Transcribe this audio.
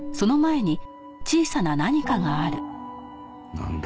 なんだ？